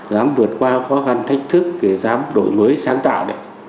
dám vượt qua khó khăn thách thức để dám đổi mới sáng tạo